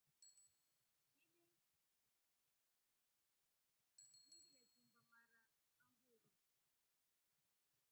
Ini ninginetumba mara amburu.